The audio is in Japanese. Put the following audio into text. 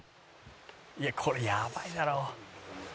「いやこれやばいだろ」